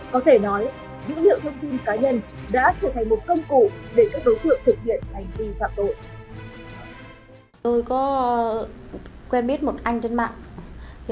có thể nói dữ liệu thông tin cá nhân đã trở thành một công cụ để các đối tượng thực hiện hành vi phạm tội